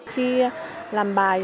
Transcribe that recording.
khi làm bài